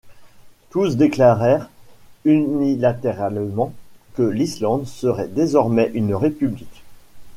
Tous déclarèrent unilatéralement que l'Islande serait désormais une république.